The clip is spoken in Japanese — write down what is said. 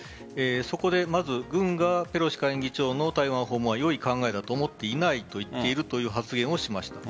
そこでまず軍がペロシ下院議長の台湾訪問は良い考えだと思っていないと言っているという発言をしました。